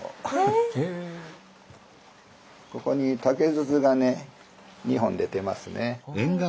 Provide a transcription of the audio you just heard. ここに竹筒がね２本出てますね。